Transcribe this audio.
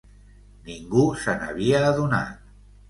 Ningú se n'havia adonat.